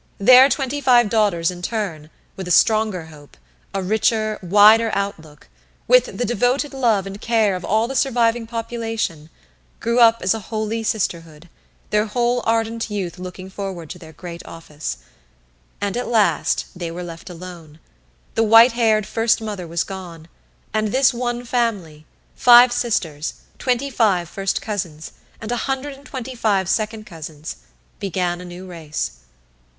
Their twenty five daughters in turn, with a stronger hope, a richer, wider outlook, with the devoted love and care of all the surviving population, grew up as a holy sisterhood, their whole ardent youth looking forward to their great office. And at last they were left alone; the white haired First Mother was gone, and this one family, five sisters, twenty five first cousins, and a hundred and twenty five second cousins, began a new race.